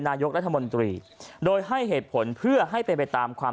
นายกรัฐมนตรีโดยให้เหตุผลเพื่อให้เป็นไปตามความ